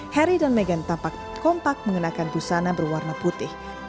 harry dan meghan tampak kompak mengenakan busana berwarna putih